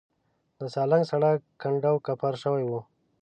د سالنګ سړک کنډو کپر شوی و.